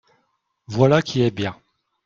Voilà qui est bien